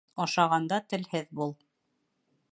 Ашағанда телһеҙ бул